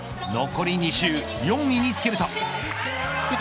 残り２周、４位につけると。